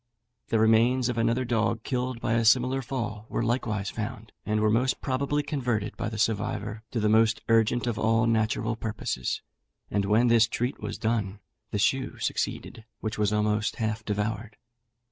The remains of another dog, killed by a similar fall, were likewise found, and were most probably converted by the survivor to the most urgent of all natural purposes; and when this treat was done, the shoe succeeded, which was almost half devoured.